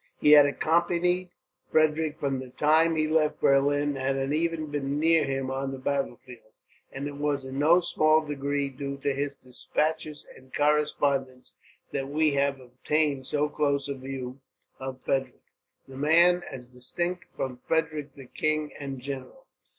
He had accompanied Frederick from the time he left Berlin, and had even been near him on the battlefields; and it was in no small degree due to his despatches and correspondence that we have obtained so close a view of Frederick, the man, as distinct from Frederick the king and general.